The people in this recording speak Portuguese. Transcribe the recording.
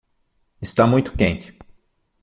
Está muito quente.